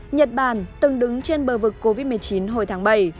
nhật bản từng đứng trên bờ vực covid một mươi chín hồi tháng bảy